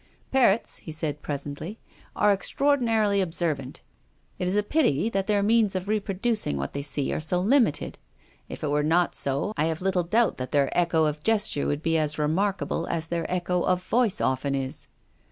" Parrots," he said presently, " are extraordi narily observant. It is a pity that their means of reproducing what they see are so limited. If it were not so, I have little doubt that their echo of gesture would be as remarkable as their echo of voice often is."